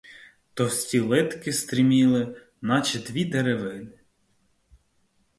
Товсті литки стриміли, наче дві деревини.